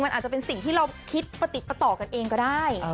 มันอาจจะเป็นสิ่งที่เราคิดประติดประต่อกันเองก็ได้